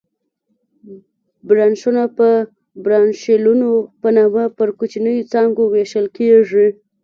برانشونه په برانشیولونو په نامه پر کوچنیو څانګو وېشل کېږي.